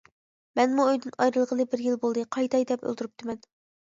مەنمۇ ئۆيدىن ئايرىلغىلى بىر يىل بولدى، قايتاي دەپ ئولتۇرۇپتىمەن.